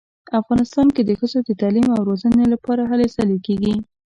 افغانستان کې د ښځو د تعلیم او روزنې لپاره هلې ځلې کیږي